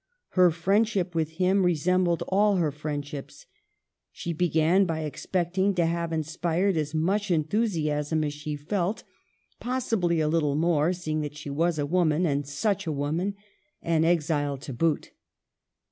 Her friendship with him resembled all her friendships. She began by expecting to have in spired as much enthusiasm as she felt, possibly a little more, seeing that she was a woman, and such a woman, and exiled to boot.